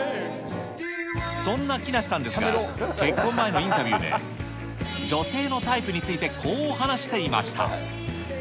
そんな木梨さんですが、結婚前のインタビューで、女性のタイプについてこう話していました。